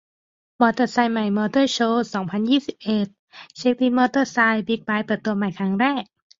มอเตอร์ไซค์ใหม่มอเตอร์โชว์ สองพันยี่สิบเอ็ด เช็กลิสต์มอเตอร์ไซค์ บิ๊กไบค์ เปิดตัวใหม่ครั้งแรก